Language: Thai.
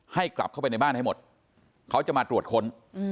กลับเข้าไปในบ้านให้หมดเขาจะมาตรวจค้น